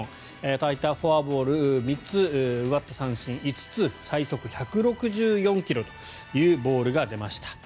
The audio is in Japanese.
与えたフォアボール３つ奪った三振５つ最速１６４ｋｍというボールが出ました。